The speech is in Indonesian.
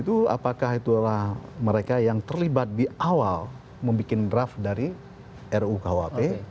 itu apakah itulah mereka yang terlibat di awal membuat draft dari ru kyp